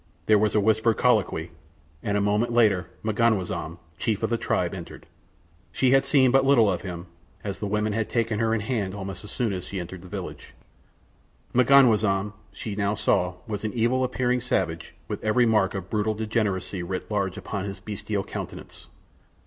There was a whispered colloquy, and a moment later M'ganwazam, chief of the tribe, entered. She had seen but little of him, as the women had taken her in hand almost as soon as she had entered the village. M'ganwazam, she now saw, was an evil appearing savage with every mark of brutal degeneracy writ large upon his bestial countenance.